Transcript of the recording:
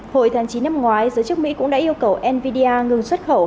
hồi tháng chín năm ngoái giới chức mỹ cũng đã yêu cầu nvidia ngừng xuất khẩu